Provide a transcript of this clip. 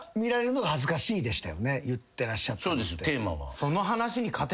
言ってらっしゃったのって。